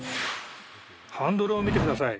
ハンドルを見て下さい。